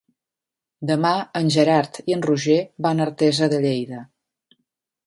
Demà en Gerard i en Roger van a Artesa de Lleida.